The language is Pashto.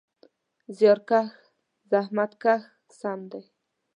زیارکښ: زحمت کښ سم دی.